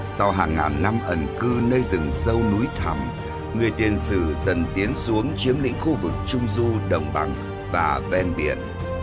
sau hàng ngàn năm ẩn cư nơi rừng sâu núi thầm người tiền sử dần tiến xuống chiếm lĩnh khu vực trung du đồng bằng và ven biển